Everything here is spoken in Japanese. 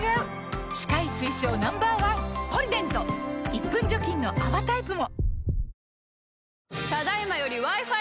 １分除菌の泡タイプも！